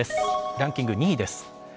ランキング２位です。